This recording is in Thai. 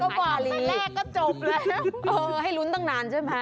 จบแล้วเออให้ลุ้นตั้งนานใช่มั้ย